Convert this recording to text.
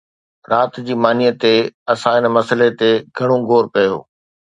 رات جي مانيءَ تي اسان ان مسئلي تي گهڻو غور ڪيو